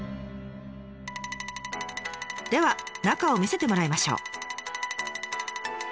では中を見せてもらいましょう。